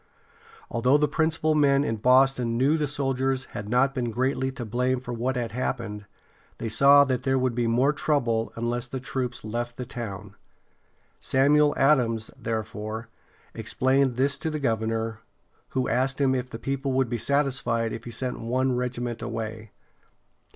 Although the principal men in Boston knew the soldiers had not been greatly to blame for what had happened, they saw that there would be more trouble unless the troops left the town. Samuel Ad´ams, therefore, explained this to the governor, who asked him if the people would be satisfied if he sent one regiment away.